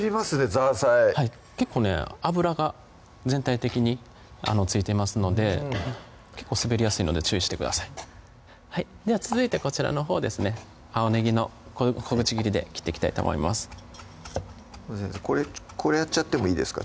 ザーサイはい結構ね油が全体的についていますので結構滑りやすいので注意してくださいでは続いてこちらのほうですね青ねぎの小口切りで切っていきたいと思います先生これこれやっちゃってもいいですか？